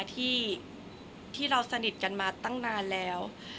ที่เราสนิทกันมาตั้งนานแล้ว